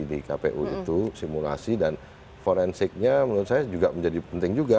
di kpu itu simulasi dan forensiknya menurut saya juga menjadi penting juga